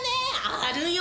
あるよ